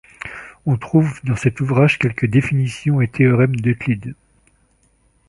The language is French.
On trouve dans cet ouvrage quelques définitions et théorèmes ďEuclide.